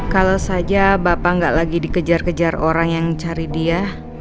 kalau saja bapak nggak lagi dikejar kejar orang yang cari dia